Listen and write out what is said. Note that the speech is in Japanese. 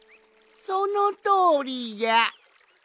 そのとおりじゃ！